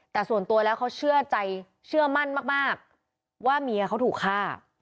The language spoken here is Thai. แต่ส่วนตัวแล้วเขาเชื่อใจเชื่อมั่นมากว่าเมียเขาถูกฆ่า